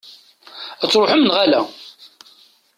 Ad d-truḥemt, neɣ ala?